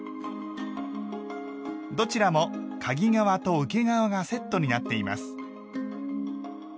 どちらもかぎ側と受け側がセットになっています。